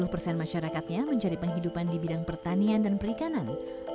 lima puluh persen masyarakatnya mencari penghidupan di bidang pertanian dan perikanan